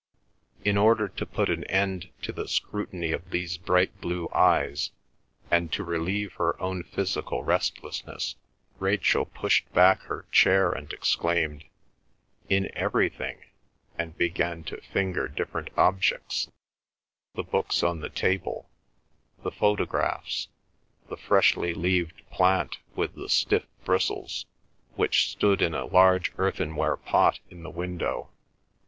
In order to put an end to the scrutiny of these bright blue eyes, and to relieve her own physical restlessness, Rachel pushed back her chair and exclaimed, "In everything!" and began to finger different objects, the books on the table, the photographs, the freshly leaved plant with the stiff bristles, which stood in a large earthenware pot in the window.